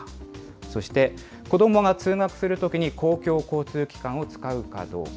そして、子どもが通学するときに公共交通機関を使うかどうか。